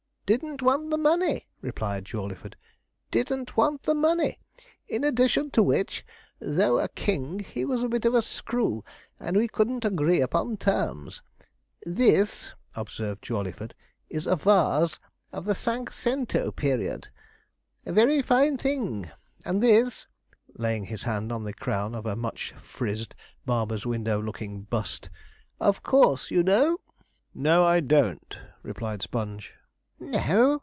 'Didn't want the money,' replied Jawleyford, 'didn't want the money. In addition to which, though a king, he was a bit of a screw, and we couldn't agree upon terms. This,' observed Jawleyford, 'is a vase of the Cinque Cento period a very fine thing; and this,' laying his hand on the crown of a much frizzed, barber's window looking bust, 'of course you know?' 'No, I don't,' replied Sponge. 'No!'